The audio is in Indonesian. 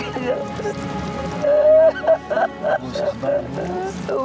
tidak usah balik mas